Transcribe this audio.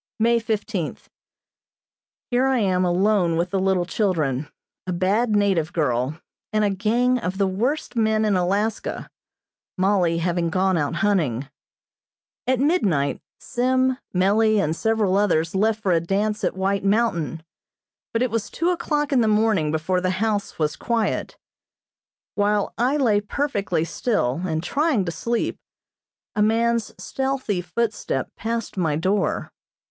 May fifteenth: Here I am alone with the little children, a bad native girl, and a gang of the worst men in Alaska, Mollie having gone out hunting. At midnight Sim, Mellie and several others left for a dance at White Mountain, but it was two o'clock in the morning before the house was quiet. While I lay perfectly still, and trying to sleep, a man's stealthy footstep passed my door.